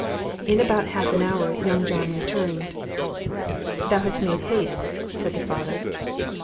In about half an hour young John returned. "Thou hast made haste," said the father.